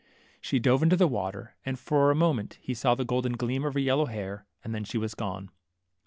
She dove into the water, and for a moment he saw the golden gleam of her yellow hair, and then she was gone.